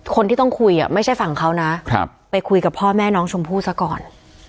คนที่ต้องคุยไม่ใช่ฝั่งเขานะไปคุยกับพ่อแม่น้องชมพู่ซะก่อน